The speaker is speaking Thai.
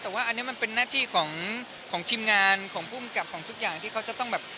แต่ว่าอันนี้มันเป็นหน้าที่ของทีมงานของภูมิกับของทุกอย่างที่เขาจะต้องแบบ